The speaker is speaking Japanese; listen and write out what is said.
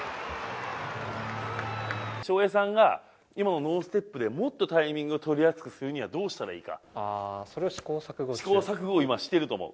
翔平さんが今のノーステップでもっとタイミングをとりやすくするにはどうしたらいいか、試行錯誤を今、してると思う。